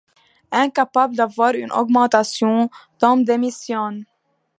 Incapable d'avoir une augmentation, Tom démissionne.